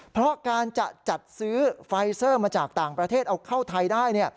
เพราะการจะจัดซื้อไฟเซอร์มาจากต่างประเทศเอาเข้าไทยได้